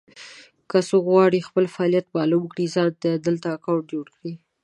که څوک غواړي خپل فعالیت مالوم کړي ځانته دې دلته اکونټ جوړ کړي.